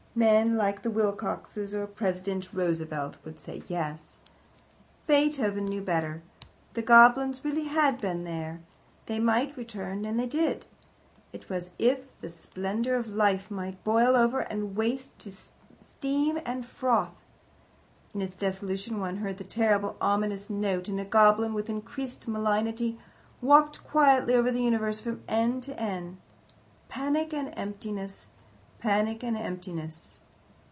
Men like the Wilcoxes, or President Roosevelt, would say yes. Beethoven knew better. The goblins really had been there. They might return and they did. It was as if the splendour of life might boil over and waste to steam and froth. In its dissolution one heard the terrible, ominous note, and a goblin, with increased malignity, walked quietly over the universe from end to end. Panic and emptiness! Panic and emptiness!